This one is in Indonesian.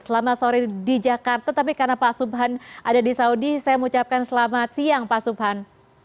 selamat sore di jakarta tapi karena pak subhan ada di saudi saya mengucapkan selamat siang pak subhan